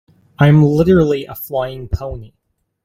I'm literally a flying pony.